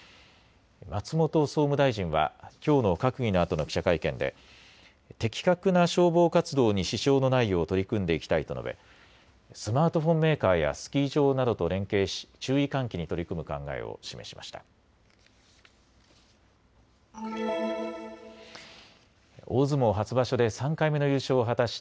松本総務大臣はきょうの閣議のあとの記者会見で的確な消防活動に支障のないよう取り組んでいきたいと述べスマートフォンメーカーやスキー場などと連携し注意喚起に取り組む考えを示しました。